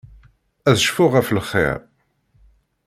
Ad cfuɣ ɣef lxir.